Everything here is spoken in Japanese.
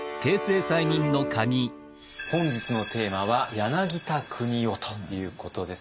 本日のテーマは柳田国男ということです。